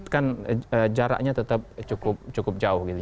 kan jaraknya tetap cukup jauh gitu